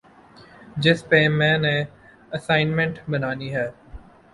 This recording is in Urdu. جس پہ میں نے اسائنمنٹ بنانی ہے